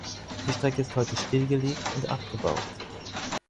Die Strecke ist heute stillgelegt und abgebaut.